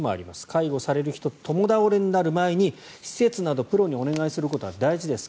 介護される人と共倒れになる前に施設などプロにお願いすることは大事です